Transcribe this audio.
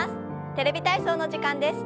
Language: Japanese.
「テレビ体操」の時間です。